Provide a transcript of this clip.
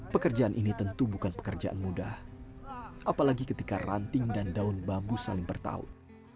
pekerjaan ini tentu bukan pekerjaan mudah apalagi ketika ranting dan daun bambu saling bertahun